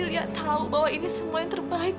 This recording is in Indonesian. lia tau bahwa ini semua yang terbaik bu